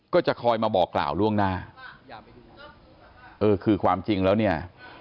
ก็จะคอยมาบอกกล่าวล่วงหน้าเออคือความจริงแล้วเนี่ย